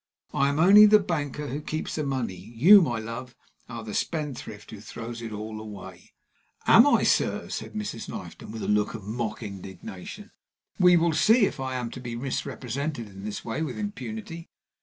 I am only the banker who keeps the money; you, my love, are the spendthrift who throws it all away!" "Am I, sir?" said Mrs. Knifton, with a look of mock indignation. "We will see if I am to be misrepresented in this way with impunity.